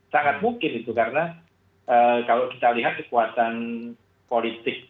sangat mungkin itu karena kalau kita lihat kekuatan politik